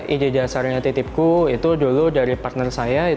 ide dasarnya titipku itu dulu dari partner saya